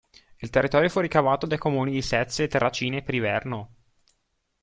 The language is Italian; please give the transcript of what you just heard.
Il territorio fu ricavato dai comuni di Sezze, Terracina e Priverno.